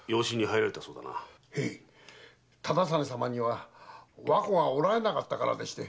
へい忠真様には和子がおられなかったからでして。